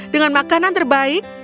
dengan makanan terbaik